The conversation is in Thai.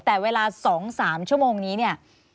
แต่เวลา๒๓ชั่วโมงนี้